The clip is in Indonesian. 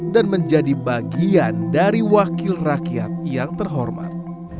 dan menjadi bagian dari wakil rakyat yang terhormat